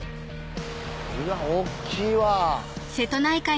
うわっ大っきいわ。